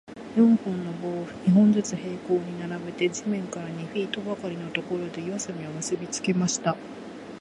四本の棒を、二本ずつ平行に並べて、地面から二フィートばかりのところで、四隅を結びつけました。